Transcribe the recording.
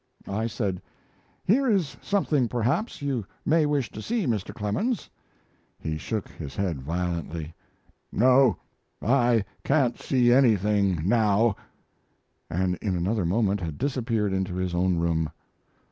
I said: "Here is something perhaps you may wish to see, Mr. Clemens." He shook his head violently. "No, I can't see anything now," and in another moment had disappeared into his own room.